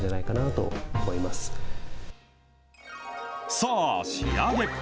さあ、仕上げ。